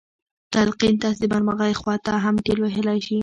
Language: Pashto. تلقين تاسې د بدمرغۍ خواته هم ټېل وهلی شي.